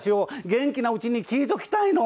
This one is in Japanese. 「元気なうちに聞いときたいの。